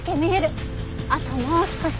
あともう少し。